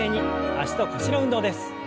脚と腰の運動です。